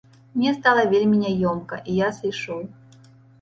Мне стала вельмі няёмка і я сышоў.